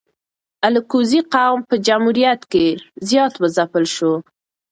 الکوزي قوم په جمهوریت کی زیات و ځپل سو